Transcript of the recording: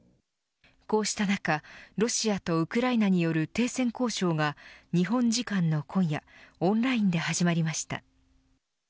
こうした中、ロシアとウクライナによる停戦交渉が日本時間の今夜オンラインで始まりました。